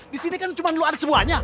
di sini kan cuma lo ada semuanya